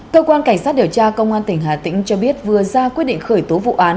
cơ quan cảnh sát điều tra công an tỉnh hà tĩnh cho biết vừa ra quyết định khởi tố vụ án